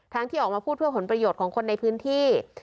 ที่ออกมาพูดเพื่อผลประโยชน์ของคนในพื้นที่